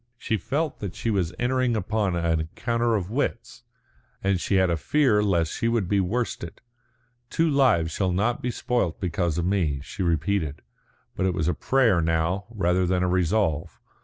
She felt that she was entering upon an encounter of wits, and she had a fear lest she should be worsted. "Two lives shall not be spoilt because of me," she repeated, but it was a prayer now, rather than a resolve.